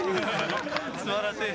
すばらしい！